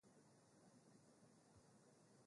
nrm mamlakani sijui hayo madai yapo ama namna jani